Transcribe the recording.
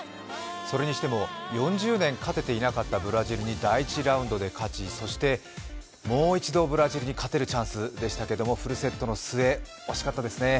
それにしても４０年勝てていなかったブラジルに第１ラウンドで勝ち、そしてもう一度ブラジルに勝てるチャンスでしたけども、フルセットの末惜しかったですね。